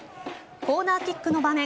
コーナーキックの場面